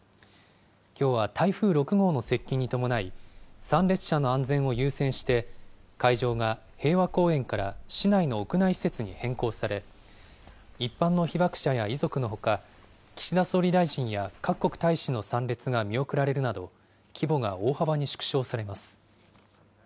きょうは台風６号の接近に伴い、参列者の安全を優先して、会場が平和公園から市内の屋内施設に変更され、一般の被爆者や遺族のほか、岸田総理大臣や各国大使の参列が見送られるなど、規模が大幅に縮小されます。